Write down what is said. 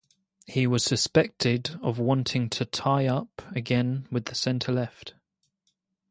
He was suspected of wanting to "tie up" again with the centre-left.